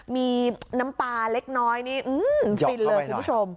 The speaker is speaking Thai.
มีน้ำปลาเล็กน้อยนี่ฟินเลยคุณผู้ชม